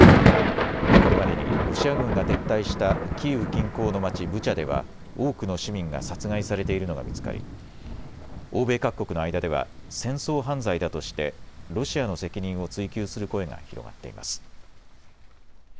これまでにロシア軍が撤退したキーウ近郊の町ブチャでは多くの市民が殺害されているのが見つかり、欧米各国の間では戦争犯罪だとしてロシアの責任を追及する声が広がっています。